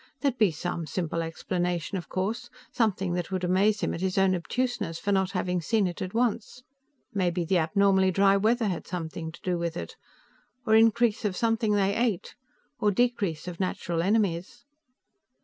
There'd be some simple explanation, of course; something that would amaze him at his own obtuseness for not having seen it at once. Maybe the abnormally dry weather had something to do with it. Or increase of something they ate, or decrease of natural enemies.